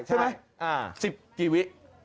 ใช่ไหม๑๐กี่วิ